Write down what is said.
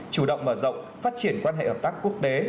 chủ động mở rộng phát triển quan hệ hợp tác quốc tế